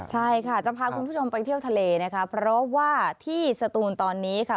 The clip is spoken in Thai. ใช่ค่ะจะพาคุณผู้ชมไปเที่ยวทะเลนะคะเพราะว่าที่สตูนตอนนี้ค่ะ